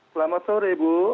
selamat sore ibu